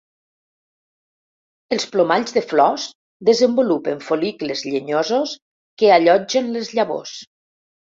Els plomalls de flors desenvolupen fol·licles llenyosos que allotgen les llavors.